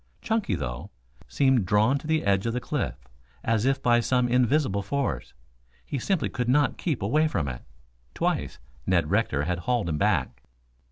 Chunky, though, seemed drawn to the edge of the cliff as if by some invisible force. He simply could not keep away from it. Twice Ned Rector had hauled him back.